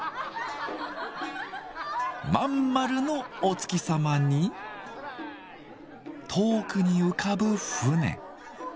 真ん丸のお月様に遠くに浮かぶ船。